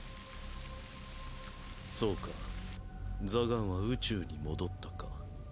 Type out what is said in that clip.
そうかザガンは宇宙に戻ったか。